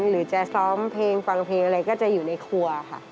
หรือจะซ้อมเพลงฟังเพลงอะไรก็จะอยู่ในครัวค่ะ